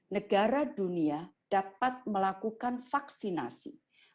negara dunia dapat melakukan vaksinasi